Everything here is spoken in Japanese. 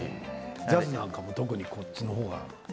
ジャズなんかもこっちのほうが？